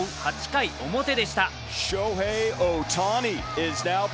８回表でした。